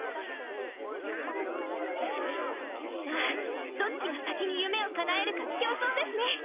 じゃあどっちが先にゆめをかなえるかきょうそうですね。